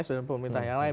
dan pemerintah yang lain